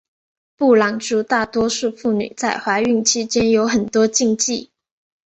布朗族大多数妇女在怀孕期间有很多禁忌。